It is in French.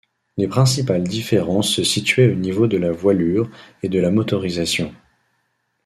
Les principales différences se situaient au niveau de la voilure et de la motorisation.